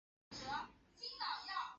它是阿西莫夫最得意的短篇作品。